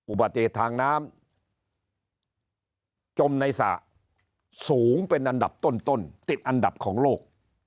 อุบัติเหตุทางน้ำจมในสระสูงเป็นอันดับต้นติดอันดับของโลก